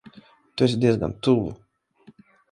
Tu esi diezgan tuvu.